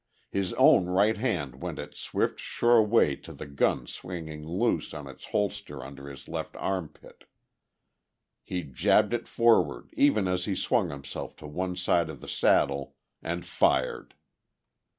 His own right hand went its swift, sure way to the gun swinging loose in its holster under his left arm pit; he jabbed it forward even as he swung himself to one side in the saddle, and fired.